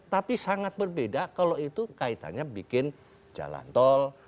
tapi sangat berbeda kalau itu kaitannya bikin jalan tol